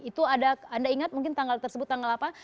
itu ada anda ingat mungkin tanggal tersebut tanggal apa